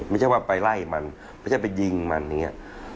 ไม่ใช่ว่าไปไล่มันไม่ใช่ไปยิงมันอย่างนี้